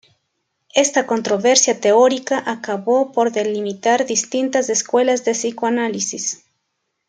Esta controversia teórica acabó por delimitar distintas escuelas de psicoanálisis.